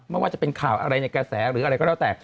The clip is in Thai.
ไม่ว่าจะเป็นข่าวอะไรในกระแสหรืออะไรก็แล้วแต่